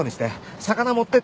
魚持っていって。